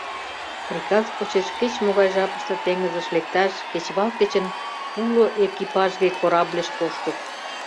Приказ почеш кеч-могай жапыште теҥызыш лекташ кечывал кечын уло экипажге корабльыш коштыт.